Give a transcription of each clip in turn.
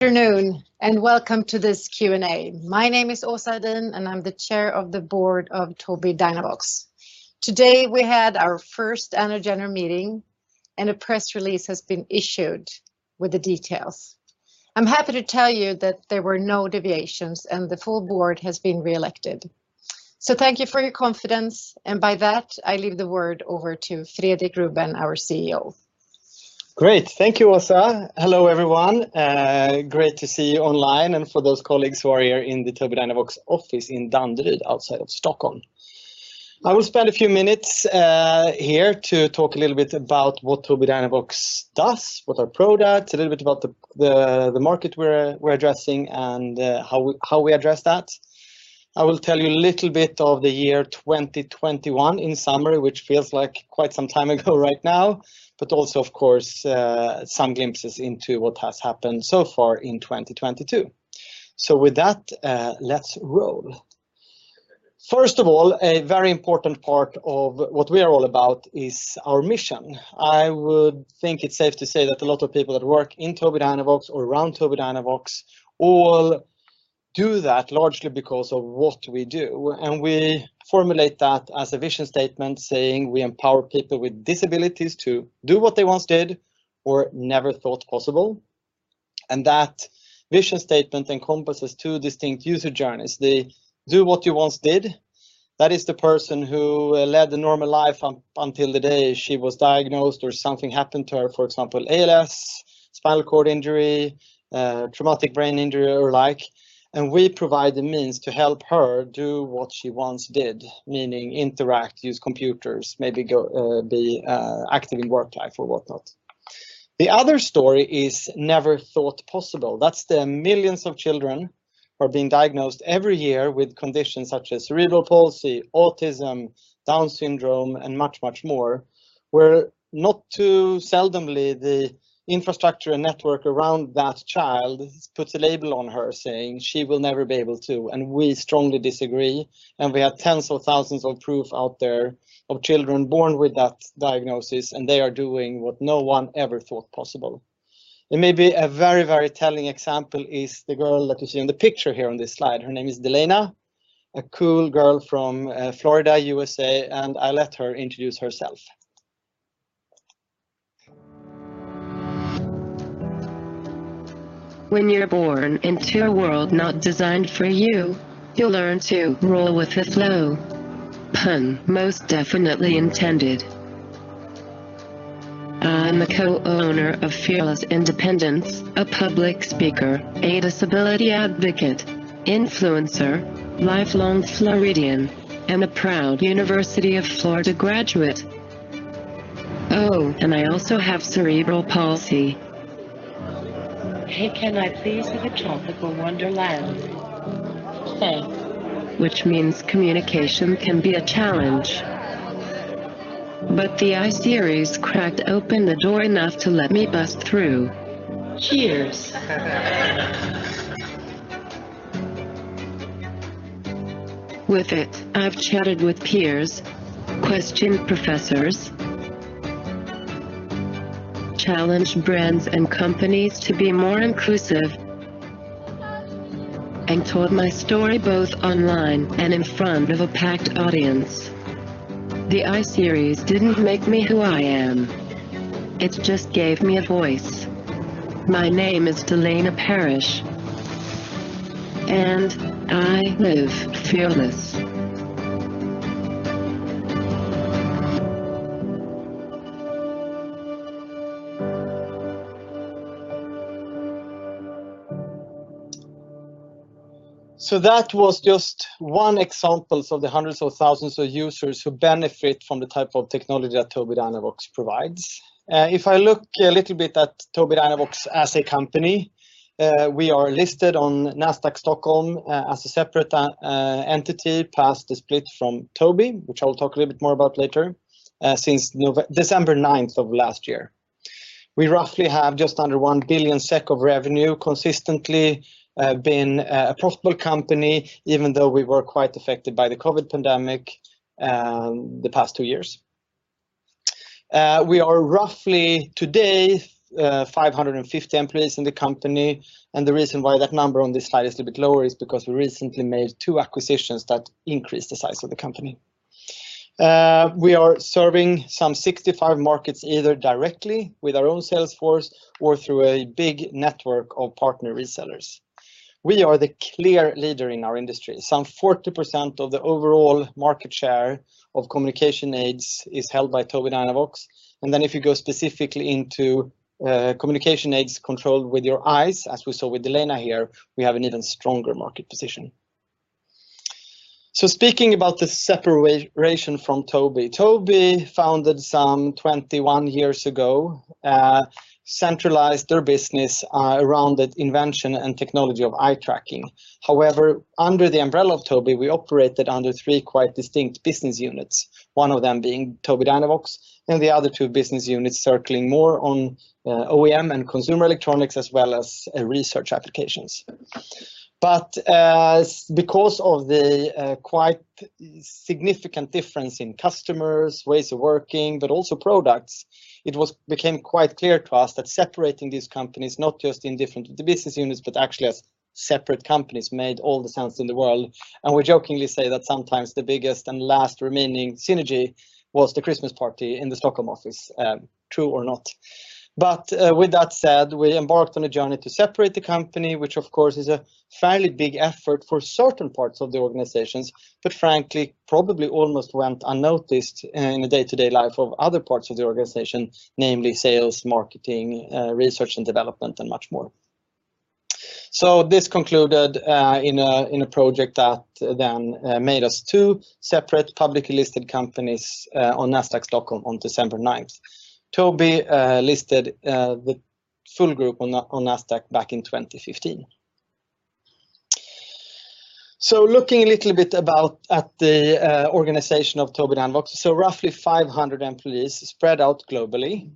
Good afternoon, and welcome to this Q&A. My name is Åsa Hedin, and I'm the Chair of the Board of Tobii Dynavox. Today, we had our first annual general meeting, and a press release has been issued with the details. I'm happy to tell you that there were no deviations, and the full board has been reelected. Thank you for your confidence, and by that, I leave the word over to Fredrik Ruben, our CEO. Great. Thank you, Åsa. Hello, everyone. Great to see you online and for those colleagues who are here in the Tobii Dynavox office in Danderyd outside of Stockholm. I will spend a few minutes here to talk a little bit about what Tobii Dynavox does, what our product, a little bit about the market we're addressing and how we address that. I will tell you a little bit of the year 2021 in summary, which feels like quite some time ago right now, but also of course some glimpses into what has happened so far in 2022. With that, let's roll. First of all, a very important part of what we are all about is our mission. I would think it's safe to say that a lot of people that work in Tobii Dynavox or around Tobii Dynavox all do that largely because of what we do, and we formulate that as a vision statement saying we empower people with disabilities to do what they once did or never thought possible. That vision statement encompasses two distinct user journeys. The do what you once did, that is the person who led the normal life until the day she was diagnosed or something happened to her, for example, ALS, spinal cord injury, traumatic brain injury or the like, and we provide the means to help her do what she once did, meaning interact, use computers, maybe go, be active in work life or whatnot. The other story is never thought possible. That's the millions of children who are being diagnosed every year with conditions such as cerebral palsy, autism, Down syndrome, and much, much more, where not too seldomly the infrastructure and network around that child puts a label on her saying she will never be able to, and we strongly disagree, and we have tens of thousands of proof out there of children born with that diagnosis, and they are doing what no one ever thought possible. Maybe a very, very telling example is the girl that you see in the picture here on this slide. Her name is Delaina, a cool girl from Florida, USA, and I'll let her introduce herself. When you're born into a world not designed for you'll learn to roll with the flow. Pun most definitely intended. I'm the co-owner of Fearless Independence, a public speaker, a disability advocate, influencer, lifelong Floridian, and a proud University of Florida graduate. Oh, and I also have cerebral palsy. Hey, can I please have a tropical wonderland? Thanks. Which means communication can be a challenge. The I-Series cracked open the door enough to let me bust through. Cheers. With it, I've chatted with peers, questioned professors, challenged brands and companies to be more inclusive, and told my story both online and in front of a packed audience. The I-Series didn't make me who I am. It just gave me a voice. My name is Delaina Parrish, and I live fearless. That was just one example of the hundreds of thousands of users who benefit from the type of technology that Tobii Dynavox provides. If I look a little bit at Tobii Dynavox as a company, we are listed on Nasdaq Stockholm as a separate entity past the split from Tobii, which I'll talk a little bit more about later, since December 9th of last year. We roughly have just under 1 billion SEK of revenue, consistently been a profitable company even though we were quite affected by the COVID pandemic, the past two years. We are roughly today 550 employees in the company, and the reason why that number on this slide is a bit lower is because we recently made two acquisitions that increased the size of the company. We are serving some 65 markets either directly with our own sales force or through a big network of partner resellers. We are the clear leader in our industry. Some 40% of the overall market share of communication aids is held by Tobii Dynavox. If you go specifically into communication aids controlled with your eyes, as we saw with Delaina here, we have an even stronger market position. Speaking about the separation from Tobii founded some 21 years ago, centralized their business around the invention and technology of eye tracking. However, under the umbrella of Tobii, we operated under three quite distinct business units, one of them being Tobii Dynavox, and the other two business units circling more on OEM and consumer electronics as well as research applications. Because of the quite significant difference in customers, ways of working, but also products, it became quite clear to us that separating these companies, not just in different business units, but actually as separate companies, made all the sense in the world. We jokingly say that sometimes the biggest and last remaining synergy was the Christmas party in the Stockholm office, true or not. With that said, we embarked on a journey to separate the company, which of course is a fairly big effort for certain parts of the organizations, but frankly probably almost went unnoticed in the day-to-day life of other parts of the organization, namely sales, marketing, research and development, and much more. This concluded in a project that then made us two separate publicly listed companies on Nasdaq Stockholm on December 9th. Tobii listed the full group on Nasdaq back in 2015. Looking a little bit about at the organization of Tobii Dynavox. Roughly 500 employees spread out globally.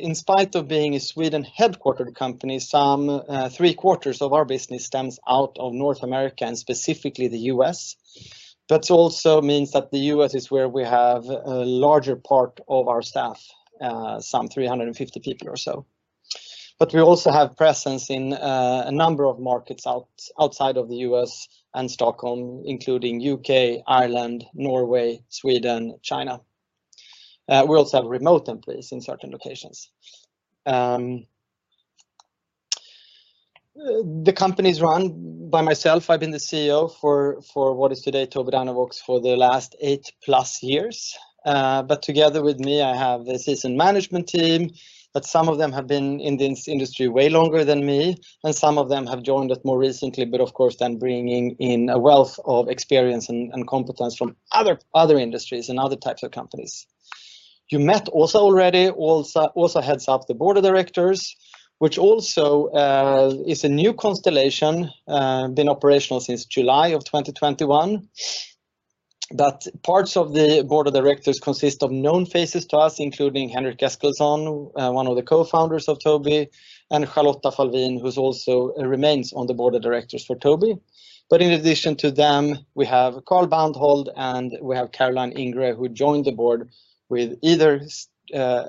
In spite of being a Sweden-headquartered company, some three-quarters of our business stems out of North America, and specifically the U.S. That also means that the U.S. is where we have a larger part of our staff, some 350 people or so. We also have presence in a number of markets outside of the U.S. and Stockholm, including U.K., Ireland, Norway, Sweden, China. We also have remote employees in certain locations. The company's run by myself. I've been the CEO for what is today Tobii Dynavox for the last eight-plus years. Together with me I have the assistant management team, but some of them have been in this industry way longer than me, and some of them have joined us more recently. Of course then bringing in a wealth of experience and competence from other industries and other types of companies. You met also already Åsa. Åsa heads up the board of directors, which also is a new constellation been operational since July of 2021, that parts of the board of directors consist of known faces to us, including Henrik Eskilsson, one of the co-founders of Tobii, and Charlotta Falvin, who's also remains on the board of directors for Tobii. In addition to them, we have Carl Bandhold, and we have Caroline Ingre, who joined the board with their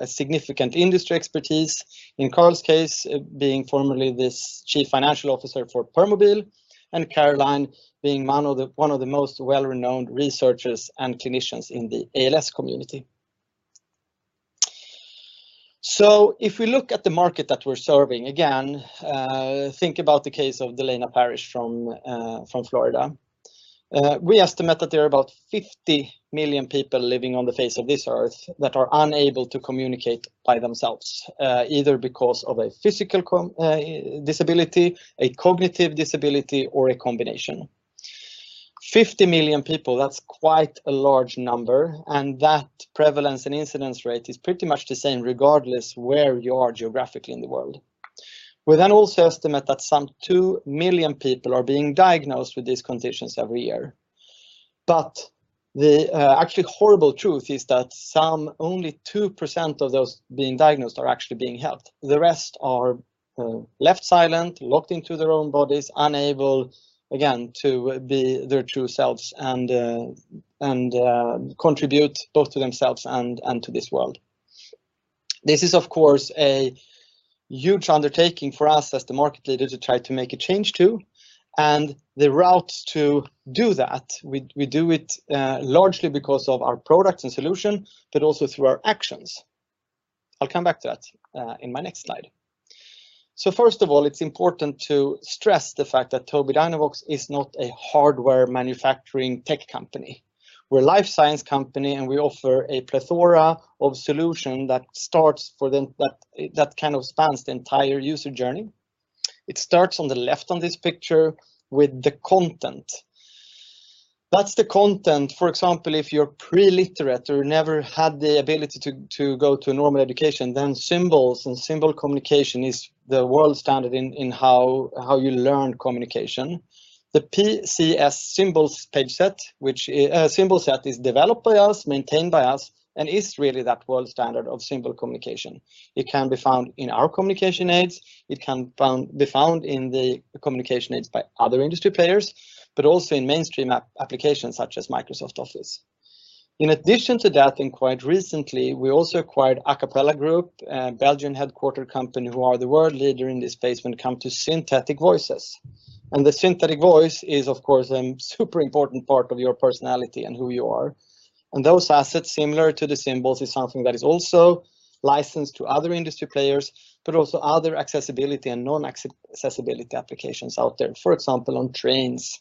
significant industry expertise, in Carl's case being formerly the chief financial officer for Permobil, and Caroline being one of the most well-renowned researchers and clinicians in the ALS community. If we look at the market that we're serving, again, think about the case of Delaina Parrish from Florida. We estimate that there are about 50 million people living on the face of this earth that are unable to communicate by themselves, either because of a physical disability, a cognitive disability, or a combination. 50 million people, that's quite a large number, and that prevalence and incidence rate is pretty much the same regardless where you are geographically in the world. We then also estimate that some 2 million people are being diagnosed with these conditions every year. The actually horrible truth is that some only 2% of those being diagnosed are actually being helped. The rest are left silent, locked into their own bodies, unable, again, to be their true selves and contribute both to themselves and to this world. This is of course a huge undertaking for us as the market leader to try to make a change to. The route to do that, we do it largely because of our products and solution, but also through our actions. I'll come back to that in my next slide. First of all, it's important to stress the fact that Tobii Dynavox is not a hardware manufacturing tech company. We're a life science company, and we offer a plethora of solution that kind of spans the entire user journey. It starts on the left on this picture with the content. That's the content, for example, if you're preliterate or never had the ability to go to a normal education, then symbols and symbol communication is the world standard in how you learn communication. The PCS symbols page set, which symbol set is developed by us, maintained by us, and is really that world standard of symbol communication. It can be found in our communication aids. It can be found in the communication aids by other industry players, but also in mainstream applications such as Microsoft Office. In addition to that, and quite recently, we also acquired Acapela Group, a Belgian-headquartered company who are the world leader in this space when it comes to synthetic voices. The synthetic voice is, of course, a super important part of your personality and who you are. Those assets, similar to the symbols, is something that is also licensed to other industry players, but also other accessibility and non-accessibility applications out there, for example, on trains,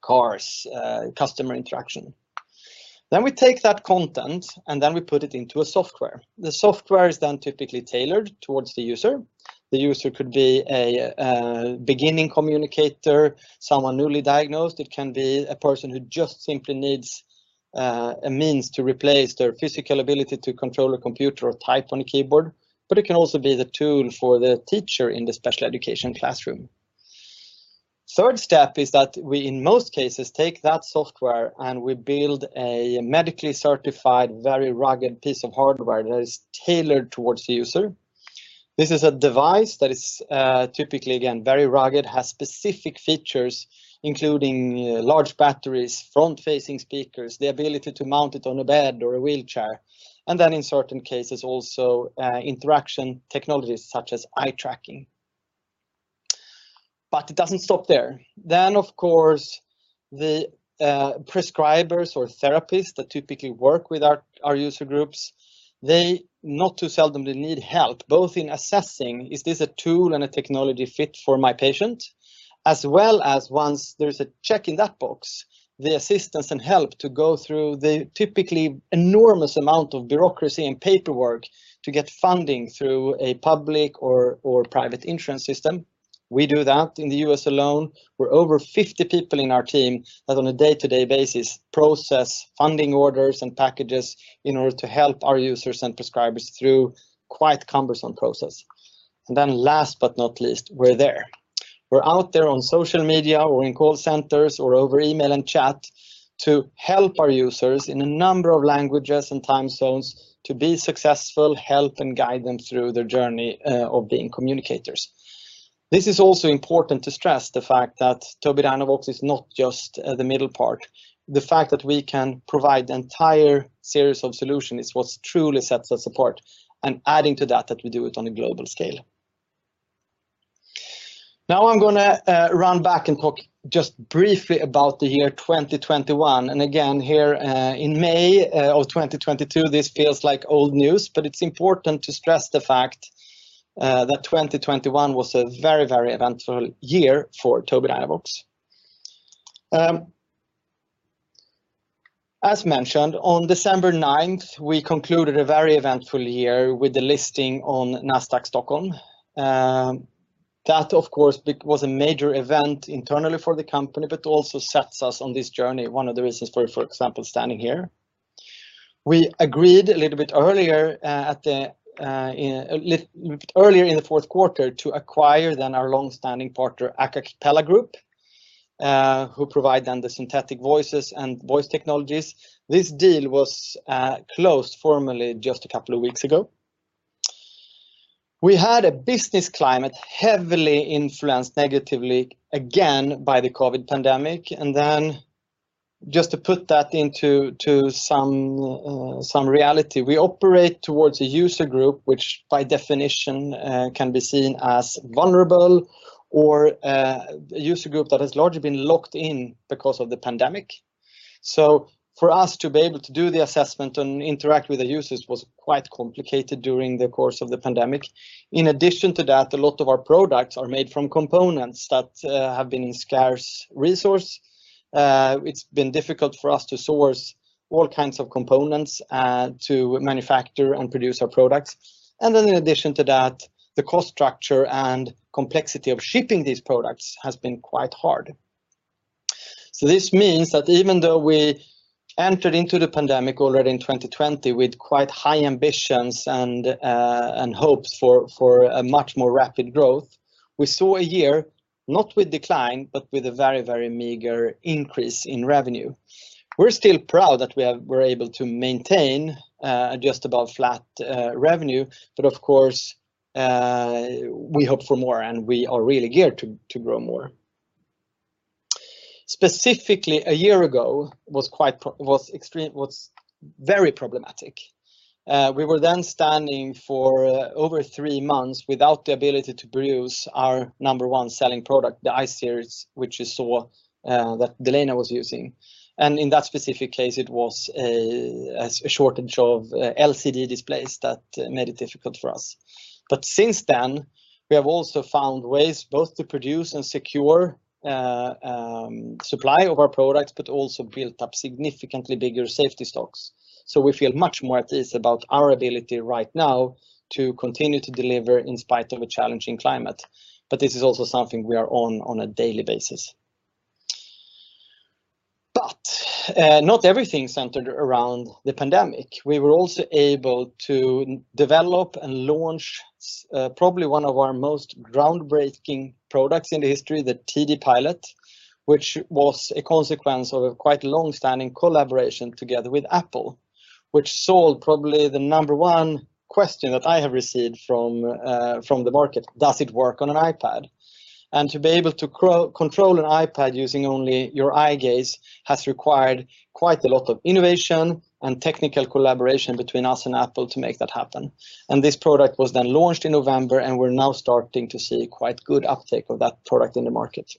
cars, customer interaction. We take that content, and then we put it into a software. The software is then typically tailored towards the user. The user could be a beginning communicator, someone newly diagnosed. It can be a person who just simply needs a means to replace their physical ability to control a computer or type on a keyboard. It can also be the tool for the teacher in the special education classroom. Third step is that we in most cases take that software and we build a medically certified, very rugged piece of hardware that is tailored towards the user. This is a device that is typically, again, very rugged, has specific features, including large batteries, front-facing speakers, the ability to mount it on a bed or a wheelchair, and then in certain cases also interaction technologies such as eye tracking. It doesn't stop there. Of course, the prescribers or therapists that typically work with our user groups, they not too seldomly need help, both in assessing, is this a tool and a technology fit for my patient, as well as once there's a check in that box, the assistance and help to go through the typically enormous amount of bureaucracy and paperwork to get funding through a public or private insurance system. We do that. In the U.S. alone, we're over 50 people in our team that on a day-to-day basis process funding orders and packages in order to help our users and prescribers through quite cumbersome process. Last but not least, we're there. We're out there on social media or in call centers or over email and chat to help our users in a number of languages and time zones to be successful, help and guide them through their journey of being communicators. This is also important to stress the fact that Tobii Dynavox is not just the middle part. The fact that we can provide the entire series of solution is what's truly sets us apart, and adding to that we do it on a global scale. Now I'm gonna run back and talk just briefly about the year 2021. Again, here, in May of 2022 this feels like old news, but it's important to stress the fact that 2021 was a very, very eventful year for Tobii Dynavox. As mentioned, on December 9th, we concluded a very eventful year with the listing on Nasdaq Stockholm. That, of course, was a major event internally for the company, but also sets us on this journey, one of the reasons for example, standing here. We agreed a little bit earlier in the fourth quarter to acquire then our long-standing partner, Acapela Group, who provide then the synthetic voices and voice technologies. This deal was closed formally just a couple of weeks ago. We had a business climate heavily influenced negatively again by the COVID pandemic. Just to put that into some reality, we operate towards a user group which by definition can be seen as vulnerable or a user group that has largely been locked in because of the pandemic. For us to be able to do the assessment and interact with the users was quite complicated during the course of the pandemic. In addition to that, a lot of our products are made from components that have been scarce resources. It's been difficult for us to source all kinds of components to manufacture and produce our products. In addition to that, the cost structure and complexity of shipping these products has been quite hard. This means that even though we entered into the pandemic already in 2020 with quite high ambitions and hopes for a much more rapid growth, we saw a year not with decline but with a very, very meager increase in revenue. We're still proud that we're able to maintain just above flat revenue, but of course, we hope for more, and we are really geared to grow more. Specifically, a year ago was extreme, very problematic. We were then standing for over three months without the ability to produce our number one selling product, the I-Series, which you saw that Delaina was using. In that specific case, it was a shortage of LCD displays that made it difficult for us. Since then, we have also found ways both to produce and secure supply of our products but also built up significantly bigger safety stocks. We feel much more at ease about our ability right now to continue to deliver in spite of a challenging climate, but this is also something we are on a daily basis. Not everything centered around the pandemic. We were also able to develop and launch probably one of our most groundbreaking products in the history, the TD Pilot, which was a consequence of a quite long-standing collaboration together with Apple, which solved probably the number one question that I have received from the market. Does it work on an iPad? To be able to control an iPad using only your eye gaze has required quite a lot of innovation and technical collaboration between us and Apple to make that happen. This product was then launched in November, and we're now starting to see quite good uptake of that product in the market.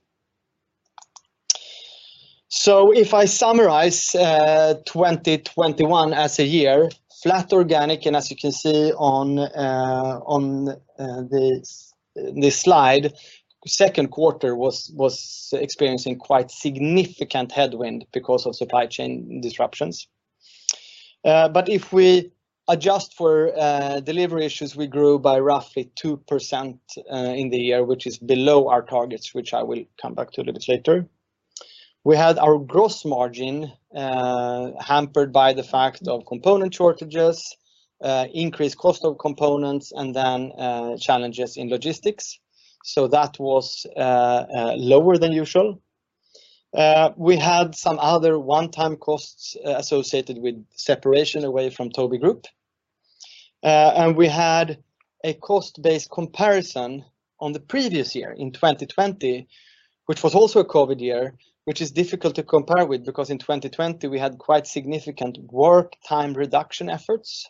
If I summarize 2021 as a year, flat organic, and as you can see on this slide, second quarter was experiencing quite significant headwind because of supply chain disruptions. But if we adjust for delivery issues, we grew by roughly 2% in the year, which is below our targets, which I will come back to a little bit later. We had our gross margin, hampered by the fact of component shortages, increased cost of components, and then, challenges in logistics. That was lower than usual. We had some other one-time costs, associated with separation away from Tobii Group. We had a cost-based comparison on the previous year in 2020, which was also a COVID year, which is difficult to compare with because in 2020 we had quite significant work time reduction efforts.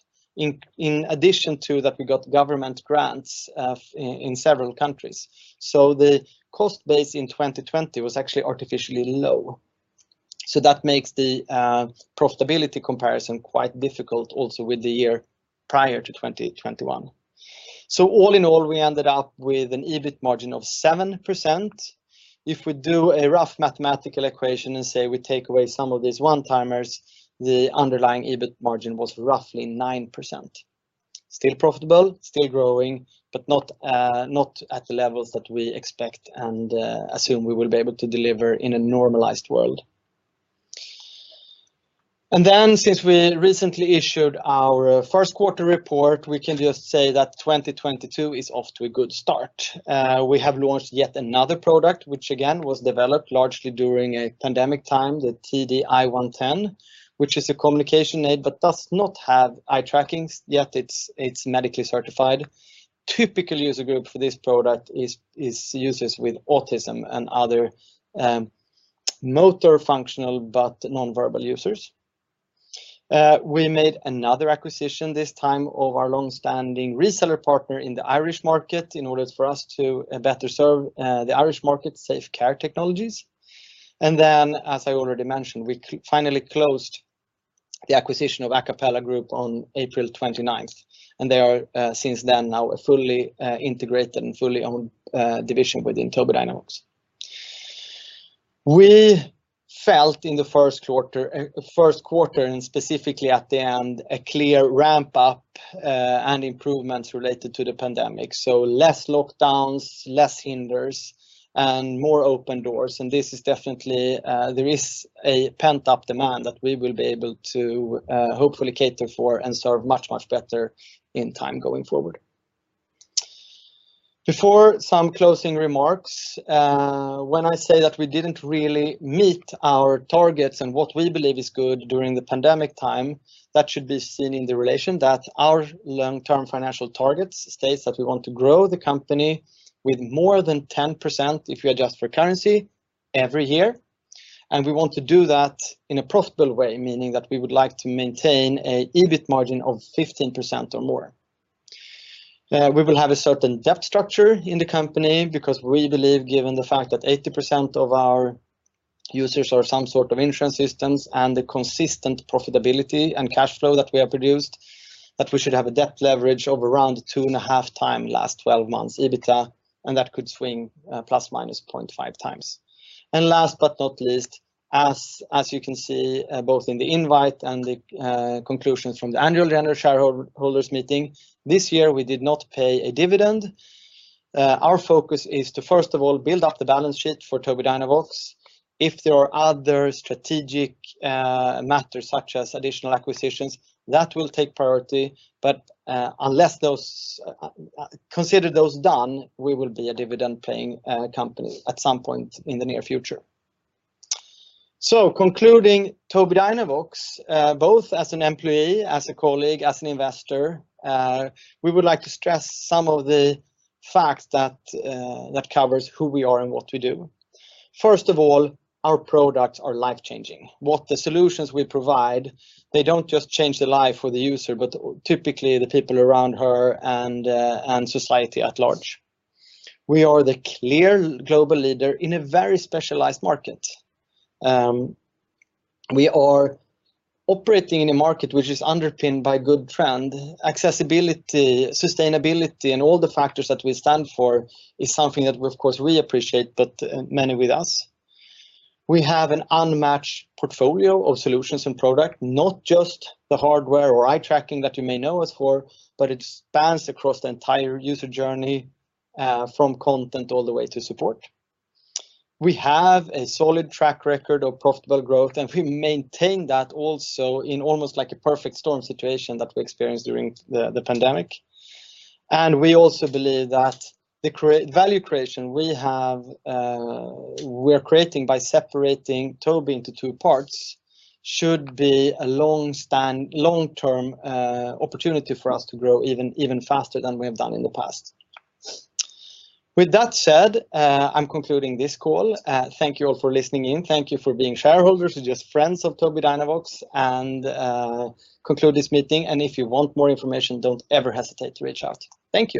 In addition to that, we got government grants in several countries. The cost base in 2020 was actually artificially low. That makes the profitability comparison quite difficult also with the year prior to 2021. All in all, we ended up with an EBIT margin of 7%. If we do a rough mathematical equation and say we take away some of these one-timers, the underlying EBIT margin was roughly 9%. Still profitable, still growing, but not at the levels that we expect and assume we will be able to deliver in a normalized world. Since we recently issued our first quarter report, we can just say that 2022 is off to a good start. We have launched yet another product, which again was developed largely during a pandemic time, the TD I-110, which is a communication aid but does not have eye tracking, yet it's medically certified. Typical user group for this product is users with autism and other motor functional but non-verbal users. We made another acquisition this time of our long-standing reseller partner in the Irish market in order for us to better serve the Irish market, Safe Care Technologies. As I already mentioned, we finally closed the acquisition of Acapela Group on April 29, and they are since then now a fully integrated and fully owned division within Tobii Dynavox. We felt in the first quarter and specifically at the end a clear ramp up and improvements related to the pandemic. Less lockdowns, less hindrances, and more open doors. This is definitely there is a pent-up demand that we will be able to hopefully cater for and serve much, much better in time going forward. Before some closing remarks, when I say that we didn't really meet our targets and what we believe is good during the pandemic time, that should be seen in the relation that our long-term financial targets states that we want to grow the company with more than 10% if you adjust for currency every year, and we want to do that in a profitable way, meaning that we would like to maintain an EBIT margin of 15% or more. We will have a certain debt structure in the company because we believe, given the fact that 80% of our users are some sort of insurance systems and the consistent profitability and cash flow that we have produced, that we should have a debt leverage of around 2.5x last 12 months EBITDA, and that could swing ±0.5x. Last but not least, as you can see both in the invite and the conclusions from the annual general shareholders meeting, this year we did not pay a dividend. Our focus is to first of all build up the balance sheet for Tobii Dynavox. If there are other strategic matters such as additional acquisitions, that will take priority. Unless those are considered done, we will be a dividend-paying company at some point in the near future. Concluding Tobii Dynavox both as an employee, as a colleague, as an investor, we would like to stress some of the facts that covers who we are and what we do. First of all, our products are life-changing. With the solutions we provide, they don't just change the life for the user, but typically the people around her and society at large. We are the clear global leader in a very specialized market. We are operating in a market which is underpinned by good trend, accessibility, sustainability, and all the factors that we stand for is something that we of course appreciate, but many with us. We have an unmatched portfolio of solutions and product, not just the hardware or eye tracking that you may know us for, but it spans across the entire user journey, from content all the way to support. We have a solid track record of profitable growth, and we maintain that also in almost like a perfect storm situation that we experienced during the pandemic. We also believe that the value creation we have, we're creating by separating Tobii into two parts should be a long-standing, long-term opportunity for us to grow even faster than we have done in the past. With that said, I'm concluding this call. Thank you all for listening in. Thank you for being shareholders or just friends of Tobii Dynavox and conclude this meeting. If you want more information, don't ever hesitate to reach out. Thank you.